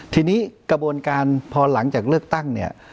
ทีนี้กระบวนการพอหลังจากเลือกตั้งเนี่ย